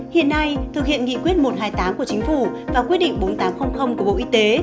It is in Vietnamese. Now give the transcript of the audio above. hiện nay thực hiện nghị quyết một trăm hai mươi tám của chính phủ và quyết định bốn nghìn tám trăm linh của bộ y tế